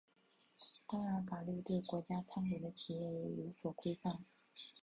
当然法律对国家参股的企业也有所规范。